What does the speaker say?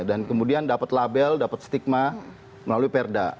dan kemudian dapat label dapat stigma melalui perda